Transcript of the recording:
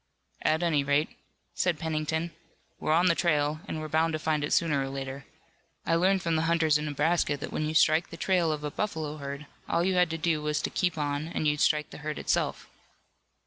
"At any rate," said Pennington, "we're on the trail, and we're bound to find it sooner or later. I learned from the hunters in Nebraska that when you strike the trail of a buffalo herd, all you had to do was to keep on and you'd strike the herd itself."